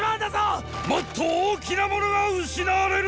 もっと大きなものが失われる！！